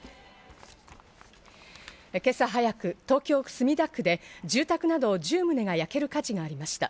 今朝早く、東京・墨田区で住宅など１０棟が焼ける火事がありました。